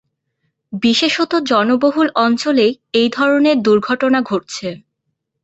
বিশেষত জনবহুল অঞ্চলেই এই ধরনের দুর্ঘটনা ঘটছে।